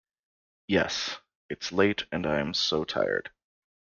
Yes; it's late, and I'm so tired.